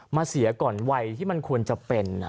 เสียก่อนวัยที่มันควรจะเป็น